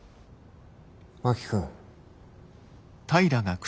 真木君。